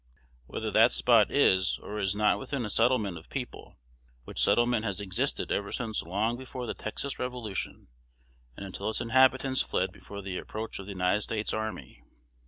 Whether that spot is or is not within a settlement of people, which settlement has existed ever since long before the Texas revolution, and until its inhabitants fled before the approach of the United States army.